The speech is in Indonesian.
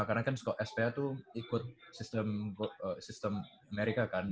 karena kan spa tuh ikut sistem amerika kan